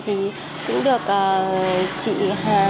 thì cũng được chị hà